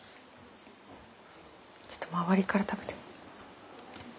ちょっと周りから食べて。